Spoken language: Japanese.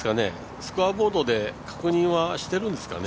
スコアボードで確認はしてるんですかね。